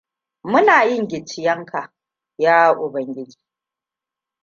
Muna yin gicciyenka, ya Ubangiji.